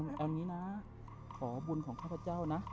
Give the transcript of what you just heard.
เอางี้นะขอบุญของข้าพเจ้านะ